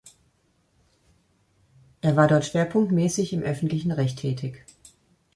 Er war dort schwerpunktmäßig im Öffentlichen Recht tätig.